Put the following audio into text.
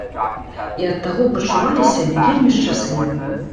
І ад таго пачувалі сябе вельмі шчаслівымі.